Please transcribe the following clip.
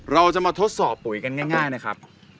เราจะมาทดสอบปุ๋ยกันง่ายนะครับ